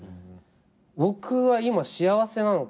僕は今幸せなのか？